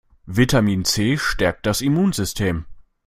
Vitamin C stärkt das Immunsystem.